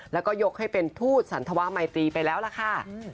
แล้วก็ยกให้เป็นทูตสันธวะมัยตรีไปแล้วล่ะค่ะ